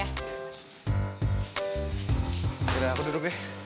akhirnya aku duduk ya